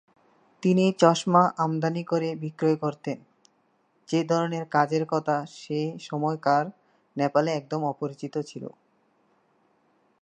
তিনি চশমা আমদানি করে বিক্রয় করতেন, যে ধরনের কাজের কথা সে সময়কার নেপালে একদম অপরিচিত ছিল।